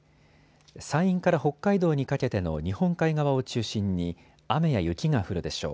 山陰から北海道にかけての日本海側を中心に雨や雪が降るでしょう。